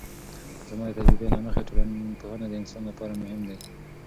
زما د تجربې له مخې ټولنپوهنه د انسان لپاره مهمه ده.